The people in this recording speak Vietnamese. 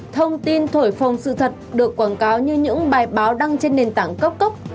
thông tin thổi phồng sự thật được quảng cáo như những bài báo đăng trên nền tảng cấp cốc